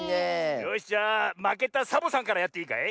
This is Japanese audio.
じゃあまけたサボさんからやっていいかい？